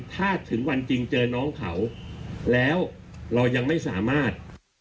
ถ้าถึงวันจริงเจอน้องเขาแล้วเรายังไม่สามารถ